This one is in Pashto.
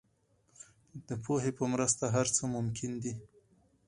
د پوهې په مرسته هر څه ممکن دي.